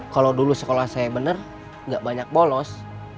kalau dulu sekolah saya bener gak banyak bolos